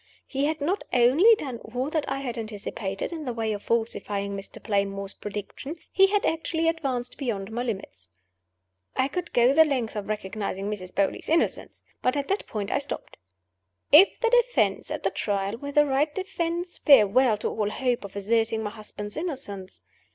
He had not only done all that I had anticipated in the way of falsifying Mr. Playmore's prediction he had actually advanced beyond my limits. I could go the length of recognizing Mrs. Beauly's innocence; but at that point I stopped. If the Defense at the Trial were the right defense, farewell to all hope of asserting my husband's innocence.